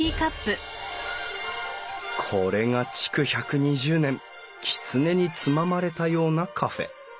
これが築１２０年きつねにつままれたようなカフェ。